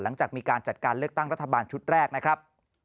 หลังจากมีการจัดการเลือกตั้งรัฐบาลชุดแรกนะครับ